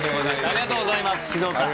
ありがとうございます静岡。